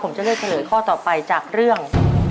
ผมจะเลือกเฉลยข้อต่อไปจากเรื่อง